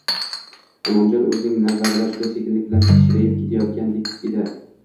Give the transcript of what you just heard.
Inomjon uning nazarida juda sekinlik bilan kichrayib borayotgandek edi